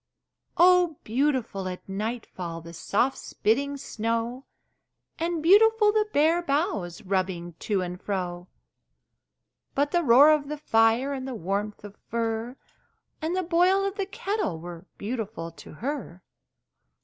Oh, beautiful at nightfall The soft spitting snow! And beautiful the bare boughs Rubbing to and fro! But the roaring of the fire, And the warmth of fur, And the boiling of the kettle Were beautiful to her!